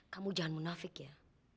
kamu jangan munafik ya